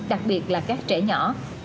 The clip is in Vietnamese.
đặc biệt là các trẻ nhỏ